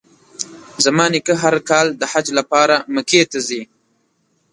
زما نیکه هر کال د حج لپاره مکې ته ځي.